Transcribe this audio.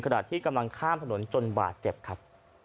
ขณะที่กำลังข้ามถนนจนบาดเจ็บครับ